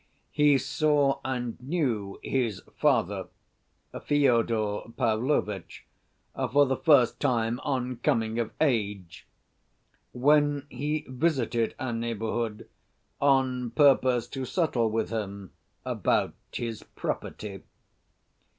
He saw and knew his father, Fyodor Pavlovitch, for the first time on coming of age, when he visited our neighborhood on purpose to settle with him about his property.